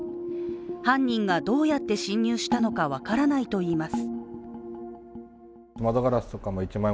犯人がどうやって侵入したのか分からないといいます。